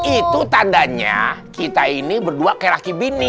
itu tandanya kita ini berdua kayak rakib ini